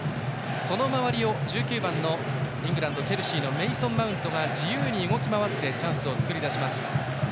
その周りを、１９番のイングランド、チェルシーのメイソン・マウントが自由に動き回ってチャンスを作り出します。